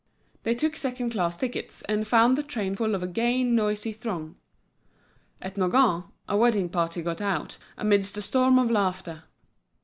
They took second class tickets, and found the train full of a gay, noisy throng. At Nogent, a wedding party got out, amidst a storm of laughter.